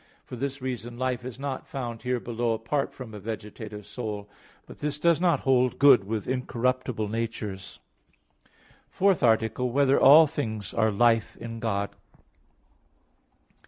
For this reason life is not found here below apart from a vegetative soul: but this does not hold good with incorruptible natures. _______________________ FOURTH ARTICLE [I, Q. 18, Art. 4] Whether All Things Are Life in God?